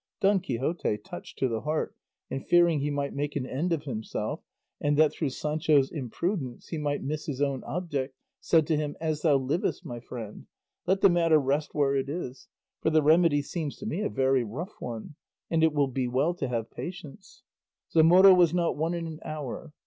Don Quixote, touched to the heart, and fearing he might make an end of himself, and that through Sancho's imprudence he might miss his own object, said to him, "As thou livest, my friend, let the matter rest where it is, for the remedy seems to me a very rough one, and it will be well to have patience; 'Zamora was not won in an hour.